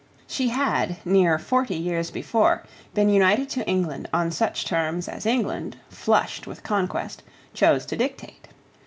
She had, near forty years before, been united to England on such terms as England, flushed with conquest, chose to dictate.